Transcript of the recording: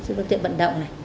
phương tiện bận động